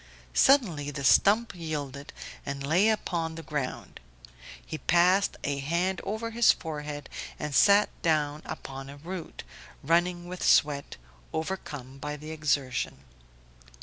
Suddenly the stump yielded and lay upon the ground; he passed a hand over his forehead and sat down upon a root, running with sweat, overcome by the exertion.